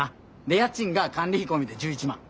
で家賃が管理費込みで１１万。